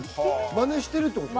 真似してるってこと？